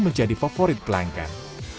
menjadi favorit pelanggan